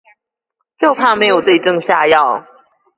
就怕沒有對症下藥